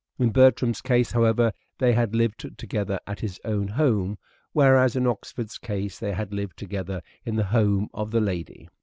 In Bertram's case, however, they had lived together at his own home, whereas in Oxford's case they had lived together in the home of the lady.